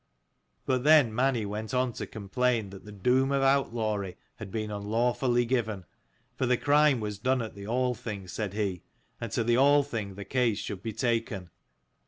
But then Mani went on to complain that the doom of outlawry had been unlawfully given ; for the crime was done at the Althing, said he, and to the Althing the case should be taken.